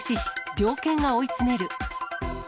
猟犬が追い詰める。